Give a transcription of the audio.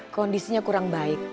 kondisinya kurang baik